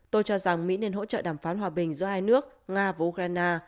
tôi cho rằng mỹ nên hỗ trợ đàm phán hòa bình giữa hai nước nga và ukraine